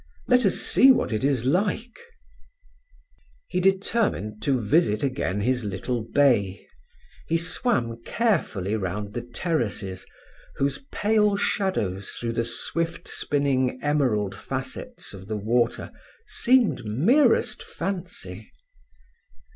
Let us see what it is like." He determined to visit again his little bay. He swam carefully round the terraces, whose pale shadows through the swift spinning emerald facets of the water seemed merest fancy.